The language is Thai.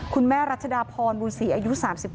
คุณแม่รัชดาพรบุญศรีอายุ๓๙